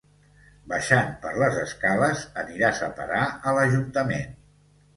Baixant per les escales aniràs a parar a l'ajuntament.